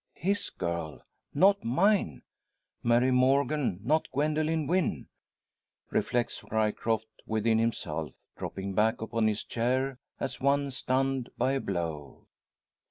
"His girl, not mine! Mary Morgan, not Gwendoline Wynn!" reflects Ryecroft within himself, dropping back upon his chair as one stunned by a blow.